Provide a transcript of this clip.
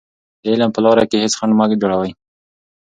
د علم په لاره کې هېڅ خنډ مه جوړوئ.